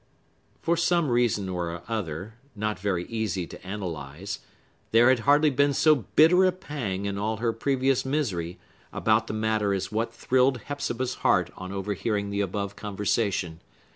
For some reason or other, not very easy to analyze, there had hardly been so bitter a pang in all her previous misery about the matter as what thrilled Hepzibah's heart on overhearing the above conversation.